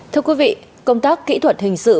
thưa quý vị công tác kỹ thuật hình sự